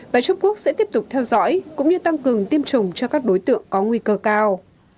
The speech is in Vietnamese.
và trung quốc sẽ tiếp tục theo dõi cũng như tăng cường tiêm chủng cho các đối tượng có nguy cơ cao